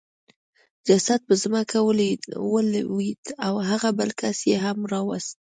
جسد په ځمکه ولوېد او هغه بل کس یې هم راوست